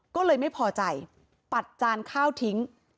ก็เลยไม่พอใจปัดจานข้าวทิ้ง